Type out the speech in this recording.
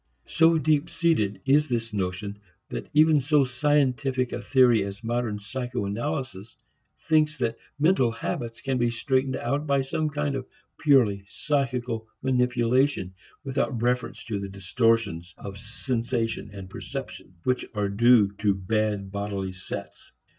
So deep seated is this notion that even so "scientific" a theory as modern psycho analysis thinks that mental habits can be straightened out by some kind of purely psychical manipulation without reference to the distortions of sensation and perception which are due to bad bodily sets.